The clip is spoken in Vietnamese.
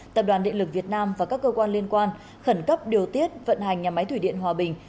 tập đoàn điện lực việt nam và các cơ quan liên quan khẩn cấp điều tiết vận hành nhà máy thủy điện hòa bình